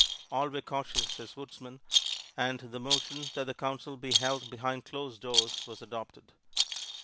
All were cautious as woodsmen, and the motion that the Council be held behind closed doors was adopted.